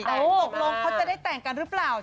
ตกลงเขาจะได้แต่งกันหรือเปล่า